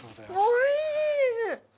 おいしいです！